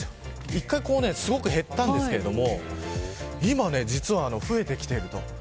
１回すごく減ったんですが今は実は増えてきているという。